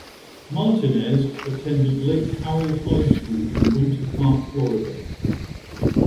Martinez attended Lake Howell High School in Winter Park, Florida.